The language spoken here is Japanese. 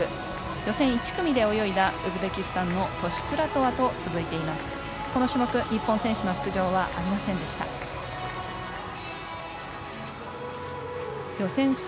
予選１組で泳いだウズベキスタンのトシプラトワと続いています。